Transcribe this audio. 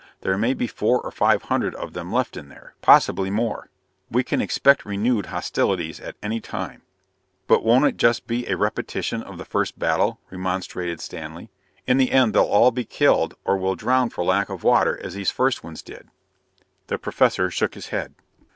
There may be four or five hundred of them left in there; possibly more. We can expect renewed hostilities at any time!" "But won't it be just a repetition of the first battle?" remonstrated Stanley. "In the end they'll be killed or will drown for lack of water as these first ones did." The Professor shook his head.